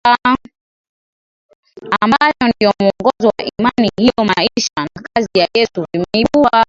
ambayo ndiyo mwongozo wa imani hiyo Maisha na kazi ya Yesu vimeibua